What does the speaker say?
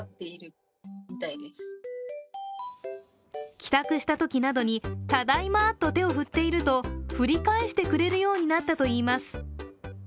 帰宅したときなどに、ただいまと手を振っていると振り返してくれるようになったといいます。